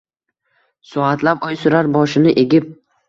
Soatlab o’y surar boshini egib…